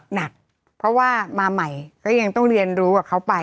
หนักเพราะว่ามาใหม่ก็ยังต้องเรียนรู้กับเขาไป